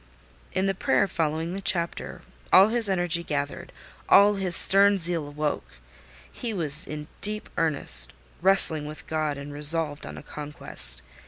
In the prayer following the chapter, all his energy gathered—all his stern zeal woke: he was in deep earnest, wrestling with God, and resolved on a conquest.